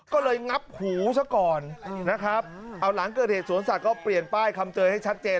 ก็เลยงับหูซะก่อนนะครับเอาหลังเกิดเหตุสวนสัตว์เปลี่ยนป้ายคำเตยให้ชัดเจน